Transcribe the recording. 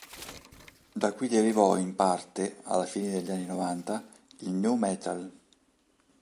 Da qui derivò in parte, alla fine degli anni novanta, il nu metal.